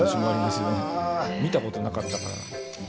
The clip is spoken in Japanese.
見たことなかったから。